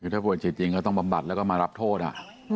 คือถ้าป่วยจิตจริงก็ต้องบำบัดแล้วก็มารับโทษ